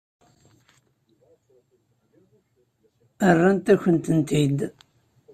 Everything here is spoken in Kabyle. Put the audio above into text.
Rrant-akent-tent-id.